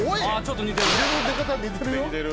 腕の出方似てるよ。